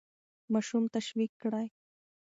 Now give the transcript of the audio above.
ماشوم تشویق کړئ.